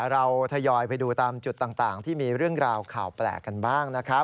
เราทยอยไปดูตามจุดต่างที่มีเรื่องราวข่าวแปลกกันบ้างนะครับ